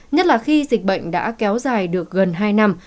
nhất là khi dịch bệnh đã kéo dài được gần hai năm